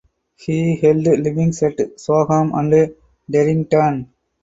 He held livings at Soham and Terrington.